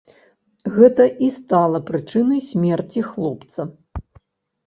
Гэта і стала прычынай смерці хлопца.